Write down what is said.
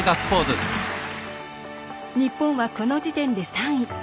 日本は、この時点で３位。